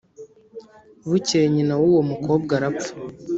bukeye nyina w’uwo mukobwa arapfa.